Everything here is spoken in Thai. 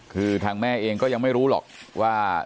คือทางแม่เองก็ยังไม่รู้หรอกว่า